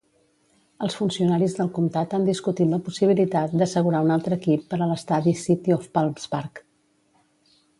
Els funcionaris del comtat han discutit la possibilitat d'assegurar un altre equip per a l'estadi City of Palms Park.